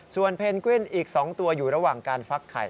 ส่วนเพนกวินอีก๒ตัวอยู่ระหว่างการฟักไข่